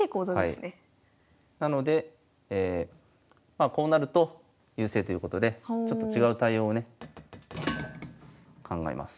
なのでまあこうなると優勢ということでちょっと違う対応をね考えます。